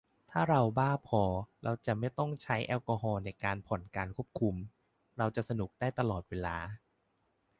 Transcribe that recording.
ถ้าเราบ้าพอ เราจะไม่ต้องใช้แอลกอฮอล์ในการผ่อนการควบคุม เราจะสนุกได้ตลอดเวลา